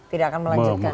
tidak akan melanjutkan